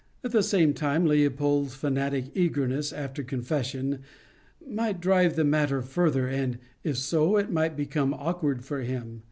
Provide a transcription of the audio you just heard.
At the same time Leopold's fanatic eagerness after confession might drive the matter further, and if so, it might become awkward for him.